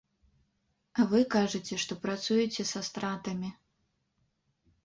А вы кажаце, што працуеце са стратамі.